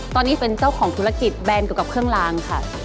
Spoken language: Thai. ตอนนี้เป็นเจ้าของธุรกิจแบรนด์เกี่ยวกับเครื่องลางค่ะ